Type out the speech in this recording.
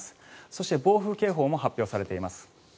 そして暴風警報も発表されています。